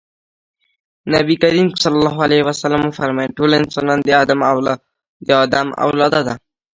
نبي کريم ص وفرمايل ټول انسانان د ادم اولاده دي.